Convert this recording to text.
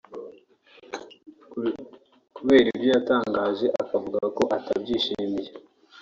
Kubera ibyo yatangaje akavuga ko atabyishimiye